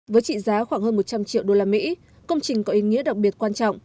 với trị giá khoảng hơn một trăm linh triệu đô la mỹ công trình có ý nghĩa đặc biệt quan trọng